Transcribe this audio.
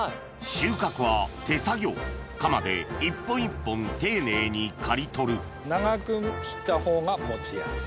収穫は手作業カマで一本一本丁寧に刈り取る長く切った方が持ちやすい。